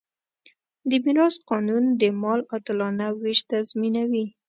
د میراث قانون د مال عادلانه وېش تضمینوي.